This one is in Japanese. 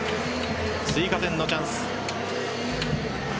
追加点のチャンス。